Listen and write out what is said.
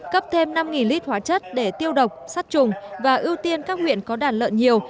cấp thêm năm lít hóa chất để tiêu độc sát trùng và ưu tiên các huyện có đàn lợn nhiều